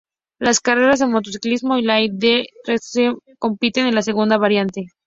Las carreras de motociclismo y la Indy Racing League compiten en la segunda variante.